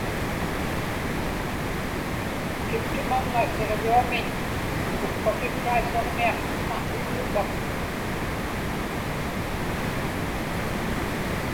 kiptumaŋŋa siġḷuamiñ ukpatiksraisuġniaqtuŋa uvlupak